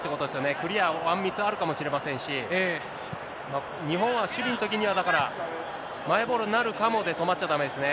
クリア、ワンミスあるかもしれませんし、日本は守備のときには、だから、マイボールになるかもで止まっちゃだめですね。